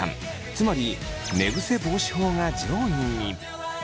つまり寝ぐせ防止法が上位に！